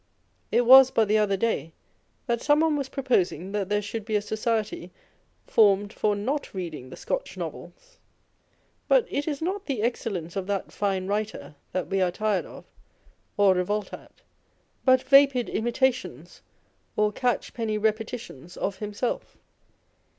It was but the other day that someone was proposing that there should be a Society formed for not reading the Scotch novels. But it is not the excellence of that fine writer that we are tired of, or revolt at, but vapid imitations or catchpenny repe titions of himself.